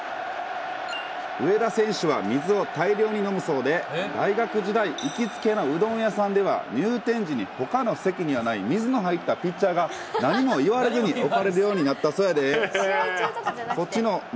上田選手は水を大量に飲むそうで、大学時代、行きつけのうどん屋さんでは、入店時にほかの席にはない水の入ったピッチャーが何も言われずに置かれるようになったそうやで。